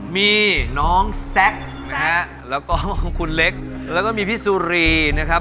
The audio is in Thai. มีน้องแซคนะฮะแล้วก็คุณเล็กแล้วก็มีพี่สุรีนะครับ